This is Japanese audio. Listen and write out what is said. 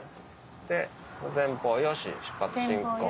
で前方よし出発進行。